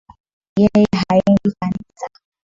Yeye haendi kanisa